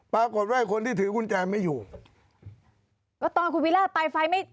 ปรากฏว่าคนที่ถือกุญแจไม่อยู่ก็ตอนคุณวิราชไปไฟไม่